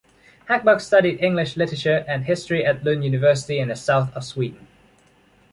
Hagberg studied English literature and history at Lund University in the South of Sweden.